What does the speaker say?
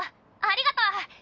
ありがとう！